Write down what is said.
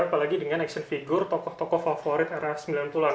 apalagi dengan action figure tokoh tokoh favorit era sembilan puluh an